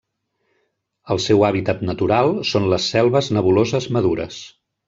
El seu hàbitat natural són les selves nebuloses madures.